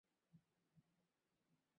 এখানকার ডাক্তারেরা সেটা পারবে না।